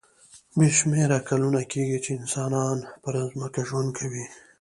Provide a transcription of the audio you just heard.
بې شمېره کلونه کېږي چې انسان پر ځمکه ژوند کوي.